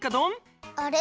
あれ？